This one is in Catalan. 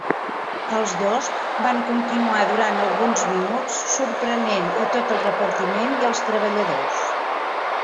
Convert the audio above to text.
Els dos van continuar durant alguns minuts, sorprenent a tot el repartiment i els treballadors.